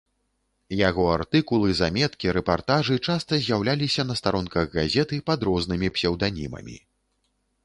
Яго артыкулы, заметкі, рэпартажы часта з'яўляліся на старонках газеты пад рознымі псеўданімамі.